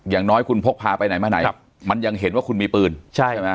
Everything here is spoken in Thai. อย่างน้อยคุณพกพาไปไหนมาไหนมันยังเห็นว่าคุณมีปืนใช่ไหม